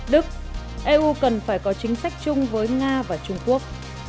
đức eu cần phải có chính sách chung với nga và trung quốc